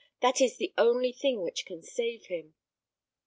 That is the only thing which can save him."